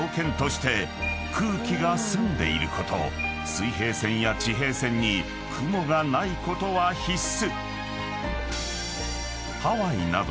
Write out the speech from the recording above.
［水平線や地平線に雲がないことは必須］